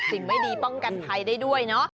สิ่งไม่ดีป้องกันภัยได้ด้วยเนาะ